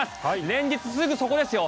連日、すぐそこですよ。